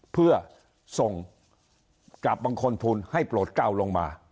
เพื่อส่งกราบบังคลภูมิให้โปรดเก้าลงมา